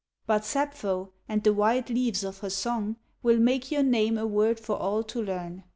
But Sappho, and the white leaves of her song, Will make your name a word for all to learn.